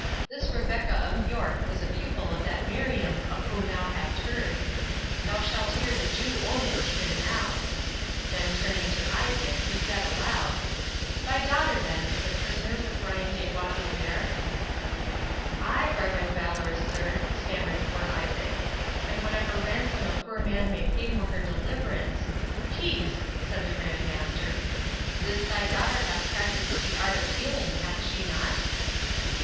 This Rebecca of York was a pupil of that Miriam of whom thou hast heard. Thou shalt hear the Jew own it even now." Then turning to Isaac, he said aloud, "Thy daughter, then, is prisoner with Brian de Bois Guilbert?" "Ay, reverend valorous sir," stammered poor Isaac, "and whatsoever ransom a poor man may pay for her deliverance— " "Peace!" said the Grand Master. "This thy daughter hath practised the art of healing, hath she not?"